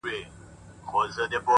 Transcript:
وخت د ژمنتیا تله ده.!